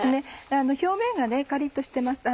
表面がカリっとしてます。